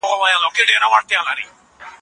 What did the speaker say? مدیتیشن د ذهن د آرامتیا لپاره دی.